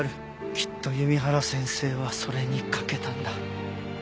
きっと弓原先生はそれに賭けたんだ。